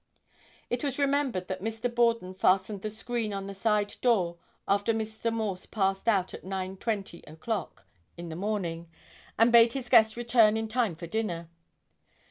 It was remembered that Mr. Borden fastened the screen on the side door after Mr. Morse passed out at 9:20 o'clock in the morning, and bade his guest return in time for dinner.